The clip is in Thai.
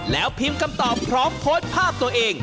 แล้วพิมพ์คำตอบพร้อมโพสต์ภาพตัวเอง